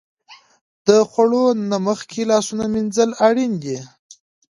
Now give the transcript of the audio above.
د خوړو نه مخکې لاسونه مینځل اړین دي.